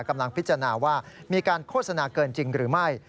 กำลังพิจารณาว่ามีการโฆษณาเกินจริงหรือไม่